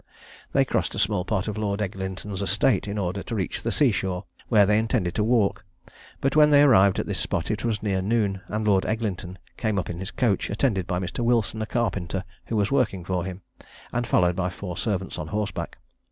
They crossed a small part of Lord Eglinton's estate, in order to reach the sea shore, where they intended to walk; but when they arrived at this spot it was near noon, and Lord Eglinton came up in his coach, attended by Mr. Wilson, a carpenter, who was working for him, and followed by four servants on horseback.